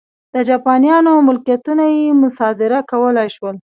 د جاپانیانو ملکیتونه یې مصادره کولای شول.